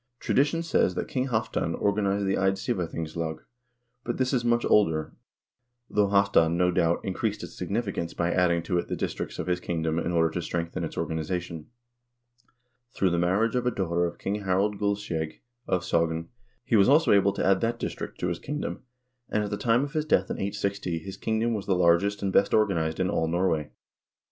Tradition says that King Halvdan or ganized the Eidsivathingslag, but this is much older, though Halvdan, no doubt, increased its significance by adding to it the districts of his kingdom in order to strengthen its organization. Through the marriage of a daughter of King Harald Guldskjeg of Sogn, he was also able to add that district to his kingdom, and at the time of his death in 860 his kingdom was the largest and best organized in all Norway.